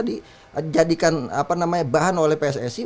dijadikan bahan oleh pssi